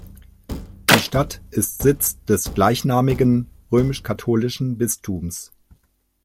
Die Stadt ist Sitz des gleichnamigen römisch-katholischen Bistums.